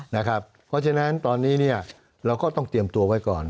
เพราะฉะนั้นตอนนี้เราก็ต้องเตรียมตัวไว้ก่อน